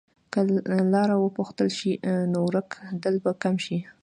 که لاره وپوښتل شي، نو ورکېدل به کم شي.